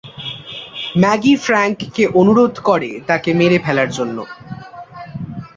Maggi ফ্র্যাংক-কে অনুরোধ করে তাকে মেরে ফেলার জন্য।